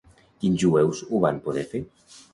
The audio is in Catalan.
Quins jueus ho van poder fer?